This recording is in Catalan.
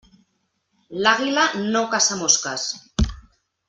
L'àguila no caça mosques.